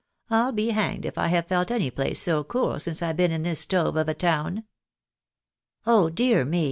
I'll be hanged if I have felt any place so cool since I've been in this stove of a town." " Oh dear me